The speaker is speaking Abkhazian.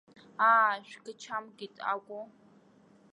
Аа, шәгачамкит акәу!